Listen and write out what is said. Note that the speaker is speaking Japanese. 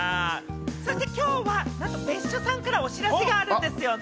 そして今日はなんと別所さんからお知らせがあるんですよね？